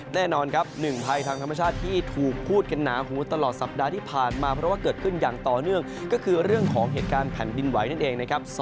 แน่นอนครับหนึ่งภัยทางธรรมชาติที่ถูกพูดกันหนาหูตลอดสัปดาห์ที่ผ่านมาเพราะว่าเกิดขึ้นอย่างต่อเนื่องก็คือเรื่องของเหตุการณ์แผ่นดินไหวนั่นเองนะครับ